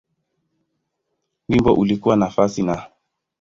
Wimbo ulikuwa nafasi Na.